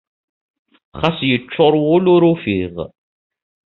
Xas yeččuṛ wul ur ufiɣ.